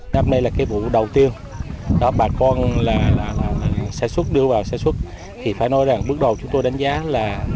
năm nay là cái vụ đầu tiên bà con đưa vào sản xuất thì phải nói rằng bước đầu chúng tôi đánh giá là